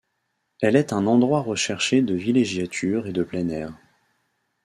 Elle est un endroit recherché de villégiature et de plein-air.